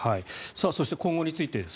そして今後についてです